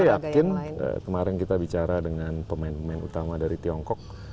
saya yakin kemarin kita bicara dengan pemain pemain utama dari tiongkok